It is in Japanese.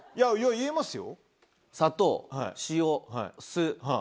言えますよ。